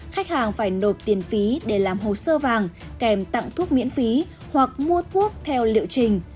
khách hàng phải nộp tiền phí để làm hồ sơ vàng kèm tặng thuốc miễn phí hoặc mua thuốc theo liệu trình